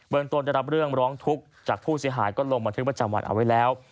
ตนได้รับเรื่องร้องทุกข์จากผู้เสียหายก็ลงบันทึกประจำวันเอาไว้แล้ว